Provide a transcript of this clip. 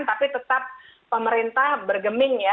tapi tetap pemerintah bergeming